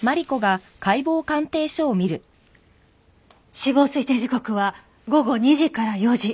「死亡推定時刻は午後２時から４時」